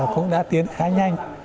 cũng đã tiến khá nhanh